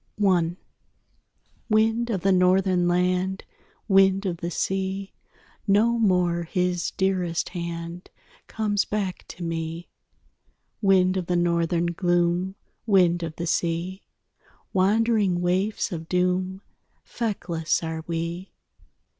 _ I Wind of the Northern land, Wind of the sea, No more his dearest hand Comes back to me. Wind of the Northern gloom, Wind of the sea, Wandering waifs of doom Feckless are we.